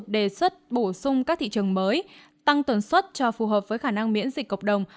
đề xuất bổ sung các thị trường mới tăng tuần suất cho phù hợp với khả năng miễn dịch cộng đồng